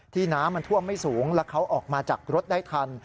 น้ำมันท่วมไม่สูงแล้วเขาออกมาจากรถได้ทัน